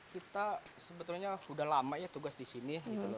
kita sebetulnya sudah lama ya tugas di sini